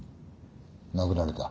殴られた？